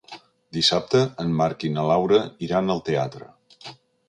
Dissabte en Marc i na Laura iran al teatre.